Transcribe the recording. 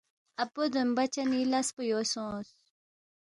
اپو دومبہ چنی لس پو یو سونگس